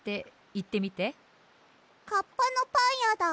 カッパのパンやだ。